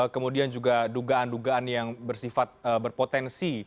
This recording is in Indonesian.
kemudian juga dugaan dugaan yang bersifat berpotensi